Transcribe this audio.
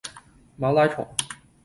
馬拉松